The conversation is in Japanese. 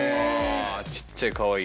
ちっちゃいかわいい。